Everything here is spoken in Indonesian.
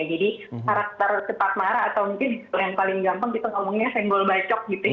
jadi karakter cepat marah atau mungkin yang paling gampang kita ngomongnya senggol bacok gitu ya